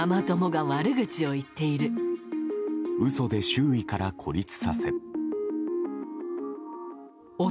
嘘で周囲から孤立させ。